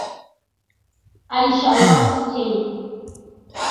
I shall not stay.